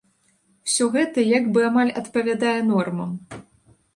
Усё гэта як бы амаль адпавядае нормам.